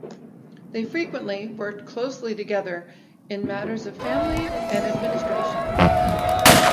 They frequently worked closely together in matters of family and administration.